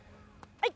はい。